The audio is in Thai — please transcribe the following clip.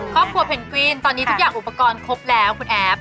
เพนกวินตอนนี้ทุกอย่างอุปกรณ์ครบแล้วคุณแอฟ